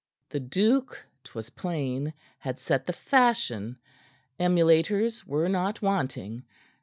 The duke, 'twas plain, had set the fashion. Emulators were not wanting.